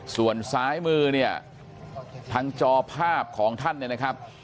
ส่วนซ้ายมือเนี่ยทางจอภาพของท่านเนี่ยนะครับ